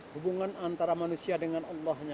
hubungan antara manusia dengan allahnya